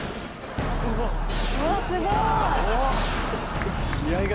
うわっすごーい！